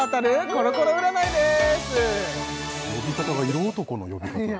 コロコロ占いです